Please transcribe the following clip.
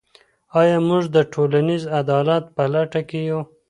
آیا موږ د ټولنیز عدالت په لټه کې یو؟